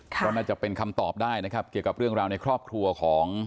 ก็น่าจะเป็นคำตอบได้นะครับเกี่ยวกับเรื่องราวในครอบครัวของ